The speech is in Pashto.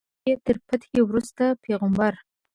د مکې تر فتحې وروسته پیغمبر.